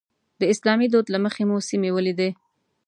د اسلامي دود له مخې مو سیمې ولیدې.